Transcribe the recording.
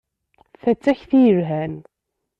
Ta d takti yelhan.